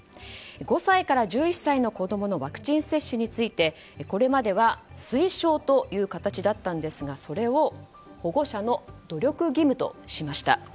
５歳から１１歳の子供のワクチン接種についてこれまでは推奨という形だったんですがそれを保護者の努力義務としました。